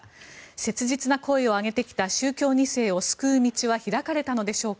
切実な声を上げてきた宗教２世を救う道は開かれたのでしょうか。